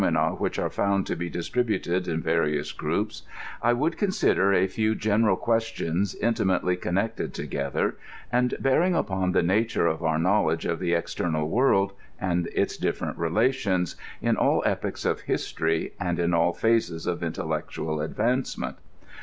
57 en a which are found to be distributed in yarious ^ups, I would consider a few general questions intimately connect^ together, and bearing upon the nature of our knowledge of the external world and its difierent relations, in all epochs of history and in all phases of intellectual advancement.